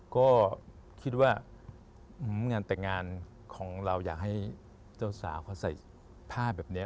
ก็คิดว่างานแต่งงานของเราอยากให้เจ้าสาวเขาใส่ผ้าแบบนี้